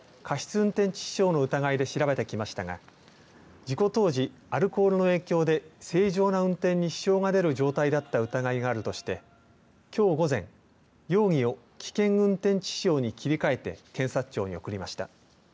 運転致死傷の疑いで調べてきましたが事故当時、アルコールの影響で正常な運転に支障が出る状態だった疑いがあるとしてきょう午前、容疑を危険運転致死傷に切り替えて警察庁に送りました。